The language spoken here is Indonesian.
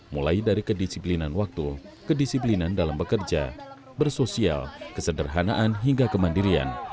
mulai dari kedisiplinan waktu kedisiplinan dalam bekerja bersosial kesederhanaan hingga kemandirian